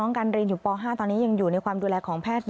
การเรียนอยู่ป๕ตอนนี้ยังอยู่ในความดูแลของแพทย์